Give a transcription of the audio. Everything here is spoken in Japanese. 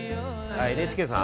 あＮＨＫさん？